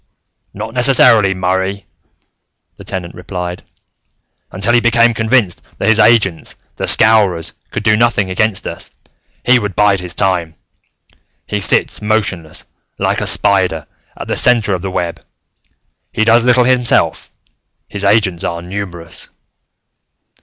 "Not necessarily, Murray," the Tenant replied. "Until he became convinced that his agents, the Scowrers, could do nothing against us, he would bide his time. He sits motionless, like a spider, at the center of the web; he does little himself; his agents are numerous.